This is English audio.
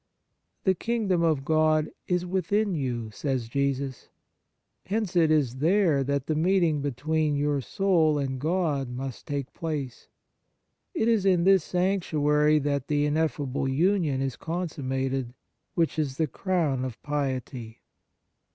" The kingdom of God is within you," says Jesus. Hence, it is there that the meeting between your soul and God must take place. It is in this sanctuary that the ineffable union is consummated, which is the crown of piety.